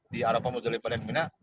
di aropah muzalipah dan mina